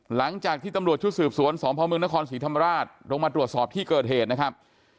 หลังจากที่ตำรวจชุดสืบสวนสพเมืองนครศรีธรรมราชลงมาตรวจสอบที่เกิดเหตุนะครับ